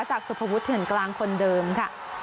จากสุภวุฒิเถื่อนกลางคนเดิมค่ะ